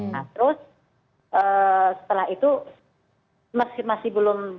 nah terus setelah itu masih belum